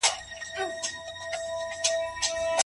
د هوا ککړتیا ناروغۍ پیدا کوي.